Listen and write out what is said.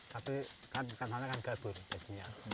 tapi kan ikan ikan kan gabur jadinya